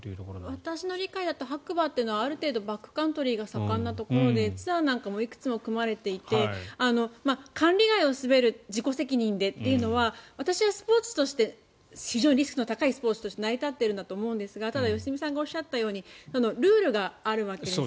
私の理解だと白馬というのはある程度バックカントリーが盛んなところでツアーなんかもいくつも組まれていて管理外を滑る自己責任でというのは私は非常にリスクの高いリスクとして成り立っていると思いますがただ、良純さんがおっしゃったようにルールがあるわけです。